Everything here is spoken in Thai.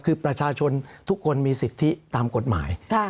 คือประชาชนทุกคนมีสิทธิตามกฎหมาย